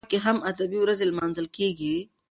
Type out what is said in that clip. ایا په کلو کې هم ادبي ورځې لمانځل کیږي؟